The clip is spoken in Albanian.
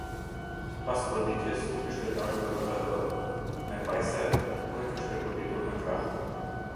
Pas goditjës kishte dalur edhe H, me pajser, ku e kishte goditur në krah.